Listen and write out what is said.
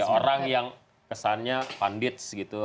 orang yang kesannya pundits gitu